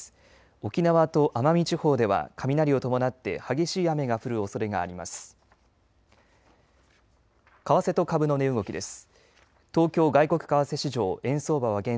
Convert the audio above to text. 沖縄と奄美地方では雷を伴って激しい雨が降るおそれがあります。